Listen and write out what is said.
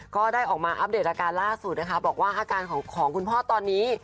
ก็ได้ออกมาอัปเดตอาการล่าสุดนะคะบอกว่าอาการของคุณพ่อตอนนี้